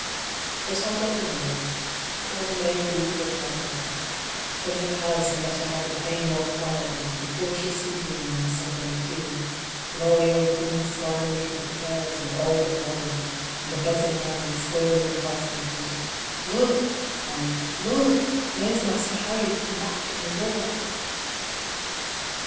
But I'll go alone — or maybe with my mother — to her house and let her have the pain more quietly, before she sees me in our Sunday pew, with all the old friends smiling through the prayers and all but nodding, and a buzzing round spoiling the parson's reading " Look," and " Look/' "There's Master Harry come back from the war."